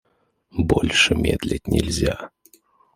Больше медлить нельзя.